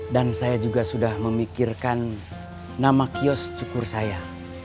dan saya juga sudah memikirkan nama kios cukur saya